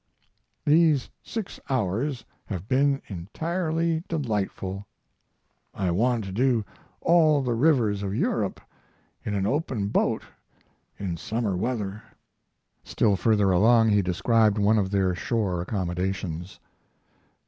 These six hours have been entirely delightful. I want to do all the rivers of Europe in an open boat in summer weather. Still further along he described one of their shore accommodations.